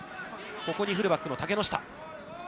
ここにフルバックの竹之下。